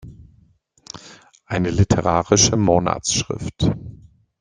Eine literarische Monatsschrift.